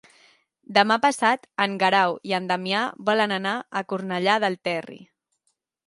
Demà passat en Guerau i en Damià volen anar a Cornellà del Terri.